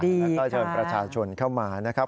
แล้วก็เชิญประชาชนเข้ามานะครับ